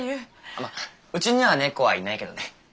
まあうちには猫はいないけどね。